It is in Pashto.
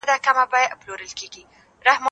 زه اجازه لرم چي سبزیجات وچوم!.